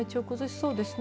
そうですね。